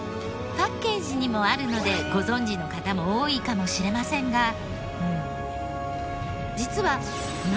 パッケージにもあるのでご存じの方も多いかもしれませんが。